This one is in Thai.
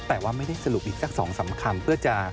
แต่ว่าไม่ได้สรุปอีกสักสองสำคัญ